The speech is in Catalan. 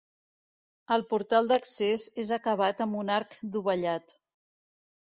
El portal d'accés és acabat amb un arc dovellat.